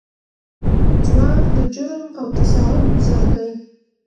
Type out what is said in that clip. ځواک د جرم او تساعد ضرب دی.